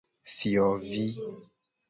Fiovi.